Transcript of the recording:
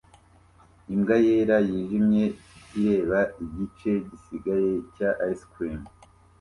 Imbwa yera yijimye ireba igice gisigaye cya ice cream